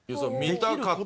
見たかった。